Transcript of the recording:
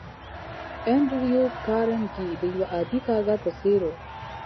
انډريو کارنګي د يوه عادي کارګر په څېر و.